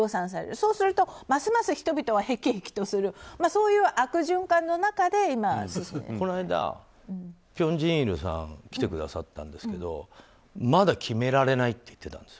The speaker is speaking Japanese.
そうするとますます人々は辟易とするそういう悪循環の中で今辺真一さんが、この間来てくださったんですけどまだ決められないって言ってたんです